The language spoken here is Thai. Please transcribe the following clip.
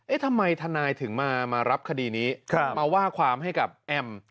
ทำไมทนายถึงมารับคดีนี้มาว่าความให้กับแอม